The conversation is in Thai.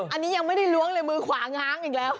อันนี้ยังไม่ได้ล้วงเลยมือขวาง้างอีกแล้ว